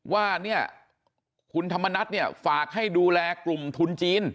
ว่าเนี่ยคุณธรรมนัฐเนี่ยฝากให้ดูแลกลุ่มทุนจีน